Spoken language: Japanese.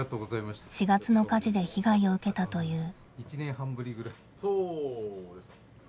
４月の火事で被害を受けたという。